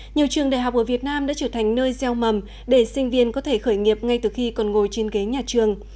nhiều trường đại học ở việt nam đã trở thành nơi gieo mầm để sinh viên có thể khởi nghiệp ngay từ khi còn ngồi trên ghế nhà trường